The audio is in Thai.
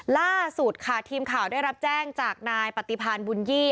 ล่าสุดค่ะทีมข่าวได้รับแจ้งจากนายปฏิพันธ์บุญยี่